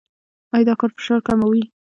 ایا دا کار فشار کموي؟